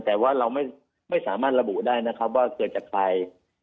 แต่ว่าเราไม่สามารถระบุได้นะครับว่าเกิดจากใคร